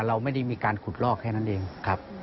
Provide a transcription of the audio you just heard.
เราไม่ได้มีการขุดลอกแค่นั้นเองครับ